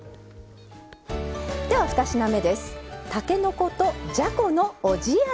では２品目です。